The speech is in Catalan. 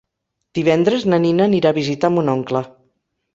Divendres na Nina anirà a visitar mon oncle.